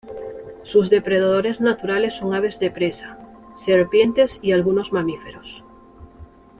Sus depredadores naturales son aves de presa, serpientes y algunos mamíferos.